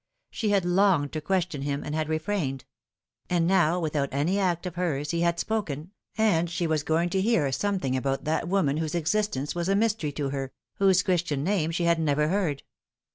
She had longed to question him and had refrained ; and now, without any act of hers, he had spoken, and she was going to hear something about that woman whose existence was a mystery to her, whose Christian name she had never heard.